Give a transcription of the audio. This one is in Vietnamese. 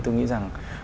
tôi nghĩ rằng